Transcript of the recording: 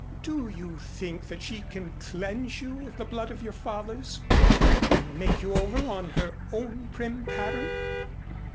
Do you think that she can cleanse you of the blood of your fathers and make you over on her own prim pattern?